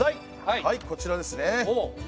はいこちらですね。